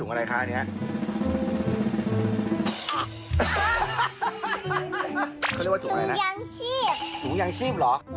มิดมาแล้วมานี่